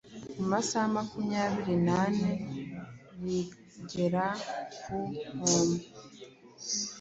Mu masaha makumyabiri nane bagera ku nkombe